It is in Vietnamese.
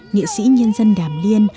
nghệ sĩ nhân dân đàm liên